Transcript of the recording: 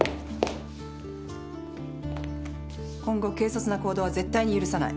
今後軽率な行動は絶対に許さない。